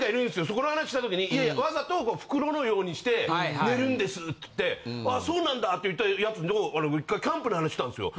そこの話した時にいやいやわざと袋のようにして寝るんですって「あそうなんだ」って言ったヤツと一回キャンプの話したんですよ。